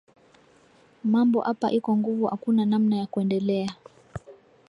Mambo apa iko nguvu akuna namna ya kwendeleya